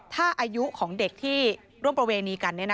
ถ้าอายุของเด็กที่ร่วมประเวณีกัน